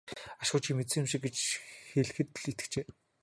Ашгүй чи мэдсэн юм шиг хүрээд ирлээ гэж хэлэхэд л итгэжээ.